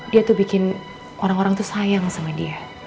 dia tuh bikin orang orang tuh sayang sama dia